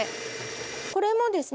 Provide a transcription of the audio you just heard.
これもですね